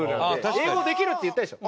英語できるって言ったでしょ？